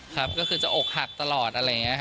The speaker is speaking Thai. ก็จะออกหักตลอด